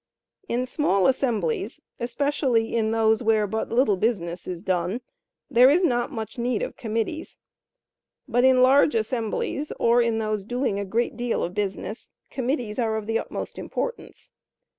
In small assemblies, especially in those where but little business is done, there is not much need of committees. But in large assemblies, or in those doing a great deal of business, committees are of the utmost importance.